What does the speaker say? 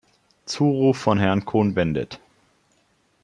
Zuruf von Herrn Cohn-Bendit.